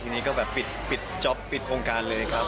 ทีนี้ก็แบบปิดจ๊อปปิดโครงการเลยครับ